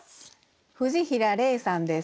藤平怜さんです。